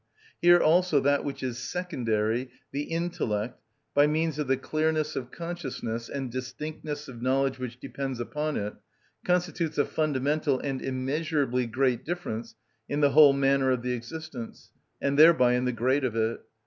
Here also that which is secondary, the intellect, by means of the clearness of consciousness and distinctness of knowledge which depends upon it, constitutes a fundamental and immeasurably great difference in the whole manner of the existence, and thereby in the grade of it.